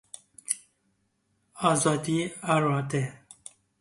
آزادی اراده